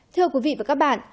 thưa quý vị và các bạn